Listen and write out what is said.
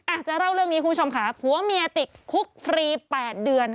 อาจจะเล่าเรื่องนี้คุณผู้ชมค่ะผัวเมียติดคุกฟรี๘เดือน